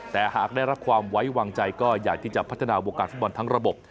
แต่หากได้รับความไว้วางใจก็อยากที่จะพัฒนาวงการฟุตบอลทั้งระบบ